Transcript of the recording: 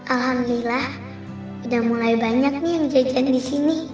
alhamdulillah udah mulai banyak nih yang jajan disini